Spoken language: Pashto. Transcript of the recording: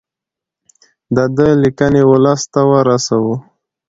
د ده لیکنې ولس ته ورسوو.